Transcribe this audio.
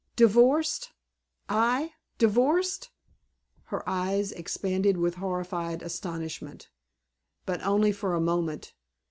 "Divorced I divorced?" Her eyes expanded with horrified astonishment. But only for a moment.